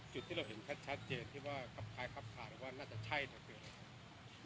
จุดที่เราเห็นชัดชัดเจนแคปไซส์ขาดนะน่าจะใช่ฐะครับ